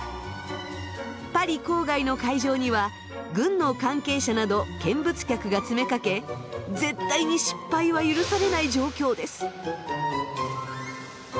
パリ郊外の会場には軍の関係者など見物客が詰めかけ絶対に失敗は許されない状況です。